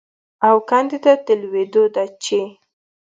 او کندې ته د لوېدو ده چې